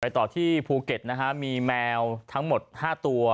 ต่อที่ภูเก็ตนะฮะมีแมวทั้งหมด๕ตัว